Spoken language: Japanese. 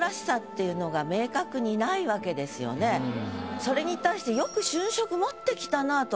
それに対してよく「春色」持ってきたなぁと。